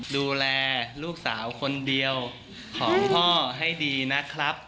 ดูแลลูกสาวคนเดียวของพ่อให้ดีนะครับ